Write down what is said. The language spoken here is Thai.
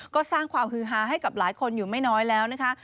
ก็สร้างความฮือฮาให้กับหลายคนอยู่ไม่น้อยแล้วนะคะ